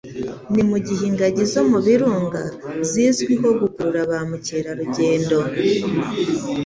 Ni mu gihe ingagi zo mu birunga zizwiho gukurura ba mukerarugendo